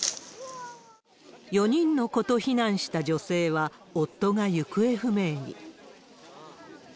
４人の子と避難した女性は、夫が行方不明に。